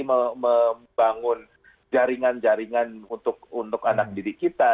membangun jaringan jaringan untuk anak didik kita